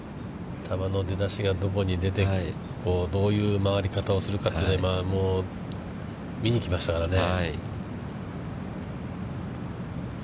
球の出だしがどこに出て、どういう曲がり方をするかというのは、今、見に来ましたからね。